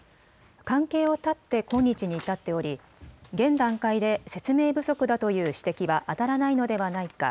関係を断って今日に至っており現段階で説明不足だという指摘はあたらないのではないか。